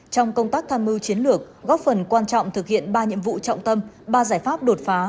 trong công tác tham mưu chiến lược góp phần quan trọng thực hiện ba nhiệm vụ trọng tâm ba giải pháp đột phá